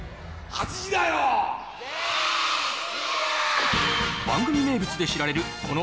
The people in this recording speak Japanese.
「８時だョ！」